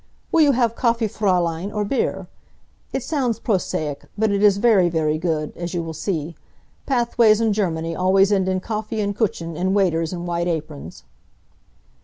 'Will you have coffee, Fraulein, or beer?' It sounds prosaic, but it is very, very good, as you will see. Pathways in Germany always end in coffee and Kuchen and waiters in white aprons."